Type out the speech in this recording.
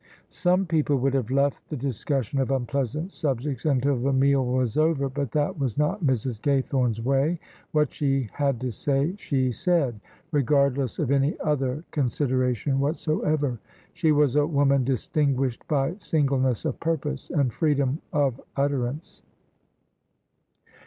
Some people would have left the discussion of unpleasant subjects until the meal was over; but that was not Mrs. Gaythome's way. What she had to say, she said, regardless of any other consideration whatsoever. She was a woman distinguished by singleness of purpose and freedom of utterance.